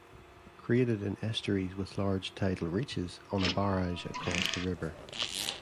Created in estuaries with large tidal reaches, on a barrage across the river.